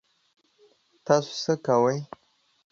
تاسو څه کوئ؟